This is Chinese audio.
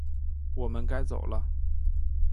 我们该走了